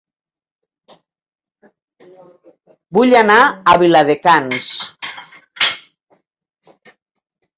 Vull anar a Viladecans